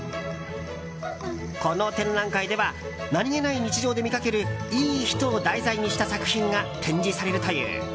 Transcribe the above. この展覧会では何気ない日常で見かけるいい人を題材にした作品が展示されるという。